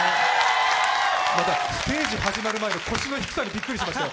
またステージ始まる前の腰の低さにびっくりしましたよ。